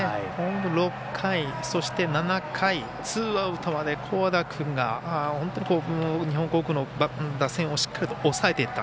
６回、そして７回ツーアウトまで古和田君が本当に日本航空の打線をしっかり抑えていった。